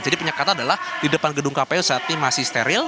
jadi penyekatan adalah di depan gedung kpu saat ini masih steril